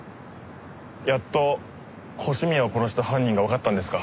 やっと星宮を殺した犯人がわかったんですか？